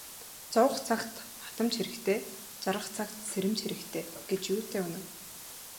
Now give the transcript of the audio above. Зовох цагт хатамж хэрэгтэй, жаргах цагт сэрэмж хэрэгтэй гэж юутай үнэн.